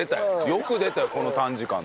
よく出たよこの短時間で。